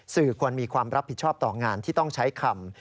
ควรมีความรับผิดชอบต่องานที่ต้องใช้คำ